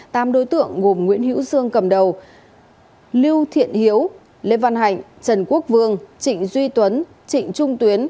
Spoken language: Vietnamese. tám đối tượng gồm nguyễn hữu dương cầm đầu lưu thiện hiếu lê văn hạnh trần quốc vương trịnh duy tuấn trịnh trung tuyến